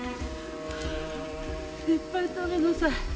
いっぱい食べなさい。